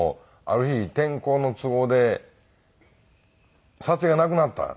ある日天候の都合で撮影がなくなった。